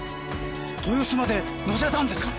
豊洲まで乗せたんですか！？